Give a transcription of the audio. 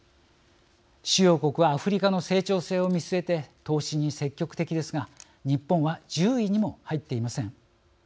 主要国はアフリカの成長性を見据えて投資に積極的ですが日本は１０位にも入っていません。